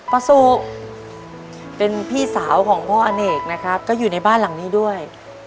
สุเป็นพี่สาวของพ่ออเนกนะครับก็อยู่ในบ้านหลังนี้ด้วย